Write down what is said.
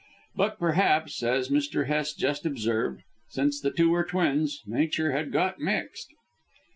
But, perhaps, as Mr. Hest had just observed, since the two were twins nature had got mixed.